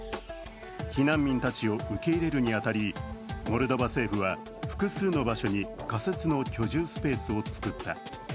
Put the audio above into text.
避難民たちを受け入れに当たり、モルドバ政府は複数の場所に仮設の居住スペースをつくった。